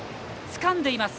つかんでいます。